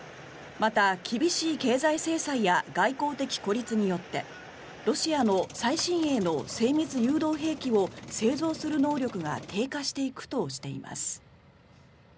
また、厳しい経済制裁や外交的孤立によってロシアの最新鋭の精密誘導兵器を製造する能力が低下していくとしています。